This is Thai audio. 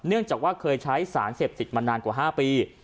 เนื่องจากว่าเคยใช้สารเสพติดมานานกว่า๕ปี